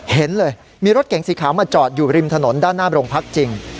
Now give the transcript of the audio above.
เห็นเลยมีรถเก๋งสีขาวมาจอดอยู่ริมถนนด้านหน้าโรงพักจริง